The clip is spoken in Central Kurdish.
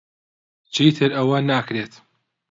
چیتر ئەوە ناکرێت.